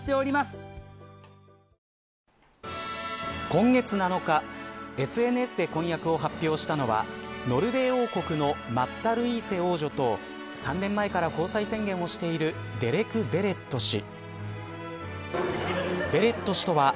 今月７日ＳＮＳで婚約を発表したのはノルウェー王国のマッタ・ルイーセ王女と３年前から交際宣言をしているデレク・ヴェレット氏。